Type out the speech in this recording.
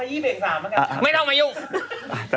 เดี๋ยวมาขยี้เบงสามกันครับ